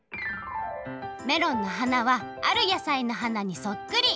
メロンの花はある野菜の花にそっくり！